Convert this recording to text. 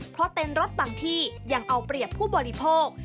เพราะเต็นต์รถบางที่ยังเอาเปรียบผู้บริโภค